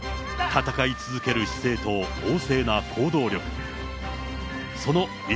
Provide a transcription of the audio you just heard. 戦い続ける姿勢と、旺盛な行動力。